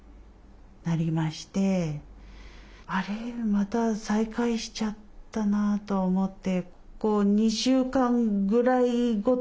また再開しちゃったなと思って。